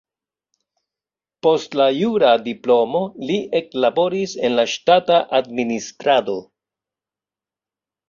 Post la jura diplomo li eklaboris en la ŝtata administrado.